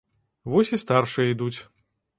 Вось і старшыя ідуць.